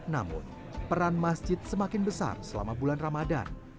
namun peran masjid semakin besar selama bulan ramadan